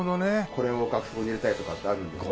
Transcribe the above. これを額装に入れたいとかってあるんですか？